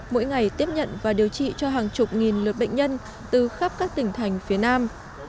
mỗi ngày tiếp nhận và điều trị cho hàng chục nghìn lượt bệnh nhân từ khắp các tỉnh thành phía nam